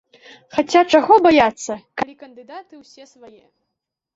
Хаця чаго баяцца, калі кандыдаты ўсе свае.